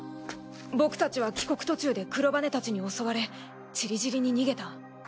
僕たちは帰国途中でクロバネたちに襲われ散り散りに逃げた。